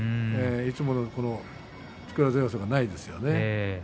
いつもの力強さがないですよね。